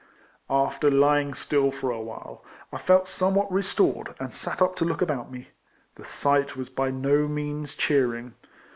After lying still for awhile, I felt some what restored, and sat up to look about me. The sight was by no means cheering.